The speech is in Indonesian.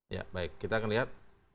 ya baik kita akan lihat